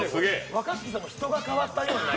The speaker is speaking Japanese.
若槻さんも人が変わったようにね。